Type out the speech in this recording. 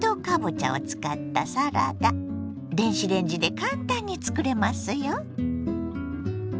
電子レンジで簡単につくれますよ。